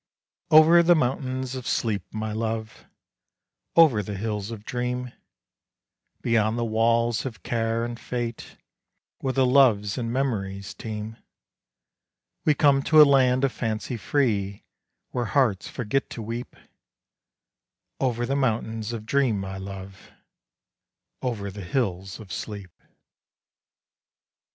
Over the mountains of sleep, my Love, Over the hills of dream, Beyond the walls of care and fate, Where the loves and memories teem, We come to a land of fancy free, Where hearts forget to weep, Over the mountains of dream, my Love, Over the hills of sleep.